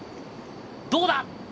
どうだ？